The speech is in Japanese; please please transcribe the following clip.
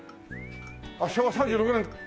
あっ昭和３６年。